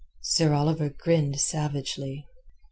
Sir Oliver grinned savagely.